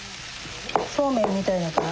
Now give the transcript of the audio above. そうめんみたいだから？